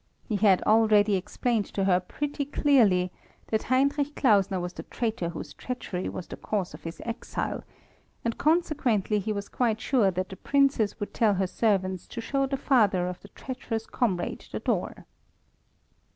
He had already explained to her pretty clearly that Heinrich Klausner was the traitor whose treachery was the cause of his exile, and consequently he was quite sure that the Princess would tell her servants to show the father of the treacherous comrade the door.